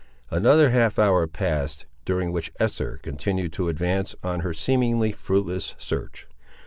Another half hour passed, during which Esther continued to advance, on her seemingly fruitless search.